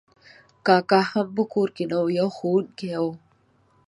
کاکا هم په کور نه و، یو ښوونکی و.